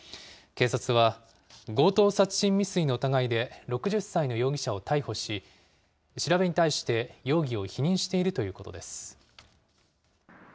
警察は、強盗殺人未遂の疑いで６０歳の容疑者を逮捕し、調べに対して容疑を否認しているということです。